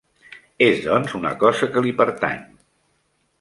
És, doncs, una cosa que li pertany.